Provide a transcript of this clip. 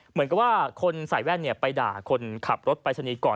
เหมือนกับว่าคนใส่แว่นไปด่าคนขับรถปรายศนีย์ก่อน